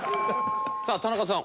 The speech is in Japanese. さあ田中さん